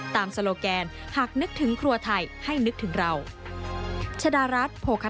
โซโลแกนหากนึกถึงครัวไทยให้นึกถึงเรา